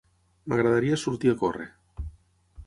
M'agradaria sortir a córrer.